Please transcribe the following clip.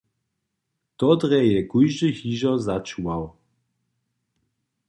To drje je kóždy hižo začuwał.